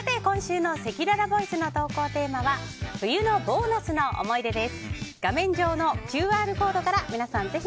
今週のせきららボイスの投稿テーマは冬のボーナスの思い出です。